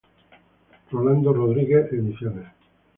Rolando Rodríguez, Ed.